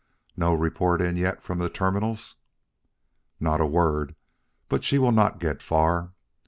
No report in yet from the terminals?" "Not a word. But she will not get far.